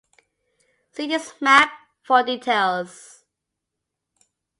See this map for details.